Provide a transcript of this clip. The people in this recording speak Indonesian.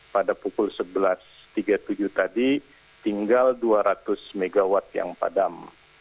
pada pukul sebelas tiga puluh tujuh tadi tinggal dua ratus mw yang padam